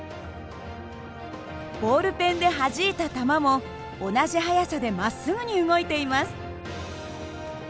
ボールペンではじいた球も同じ速さでまっすぐに動いています。